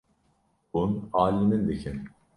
Hûn alî min dikin.